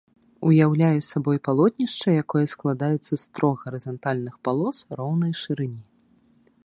Уяўляе сабой палотнішча, якое складаецца з трох гарызантальных палос роўнай шырыні.